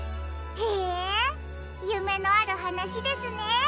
へえゆめのあるはなしですね。